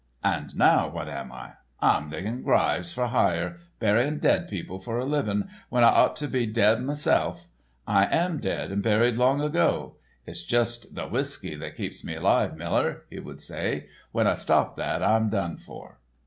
'And now what am I? I'm digging gryves for hire—burying dead people for a living, when I ought to be dead meself. I am dead and buried long ago. Its just the whiskey that keeps me alive, Miller,' he would say; 'when I stop that I'm done for.